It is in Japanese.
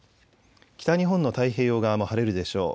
北日本の太平洋側も晴れるでしょう。